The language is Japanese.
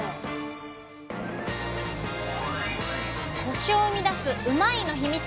コシを生み出すうまいッ！のヒミツ。